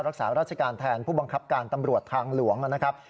รักษาราชการแทนผู้บังคับการตำรวจทางหลวงนะครับ